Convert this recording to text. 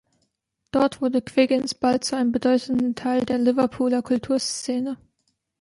Dort wurde Quiggins bald zu einem bedeutenden Teil der Liverpooler Kulturszene.